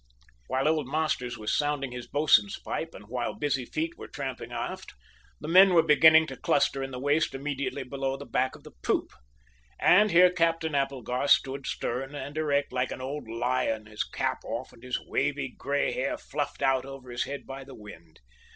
While old Masters was sounding his boatswain's pipe and while busy feet were tramping aft, the men were beginning to cluster in the waist immediately below the back of the poop. And here Captain Applegarth stood stern and erect like an old lion, his cap off and his wavy grey hair fluffed out over his head by the wind.